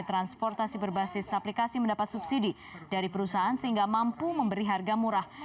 transportasi berbasis aplikasi mendapat subsidi dari perusahaan sehingga mampu memberi harga murah